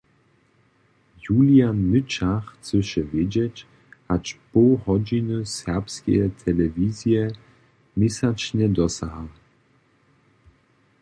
Julian Nyča chcyše wědźeć, hač poł hodźiny serbskeje telewizije měsačnje dosaha.